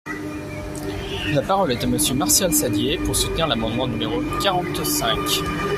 La parole est à Monsieur Martial Saddier, pour soutenir l’amendement numéro quarante-cinq.